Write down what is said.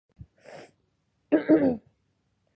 د تربوز پوستکي حیوانات خوري.